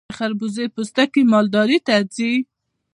د خربوزې پوستکي مالداري ته ځي.